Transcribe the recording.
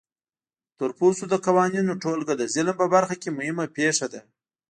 د تورپوستو د قوانینو ټولګه د ظلم په برخه کې مهمه پېښه ده.